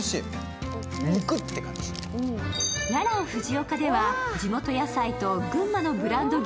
ららん藤岡では地元野菜と群馬のブランド牛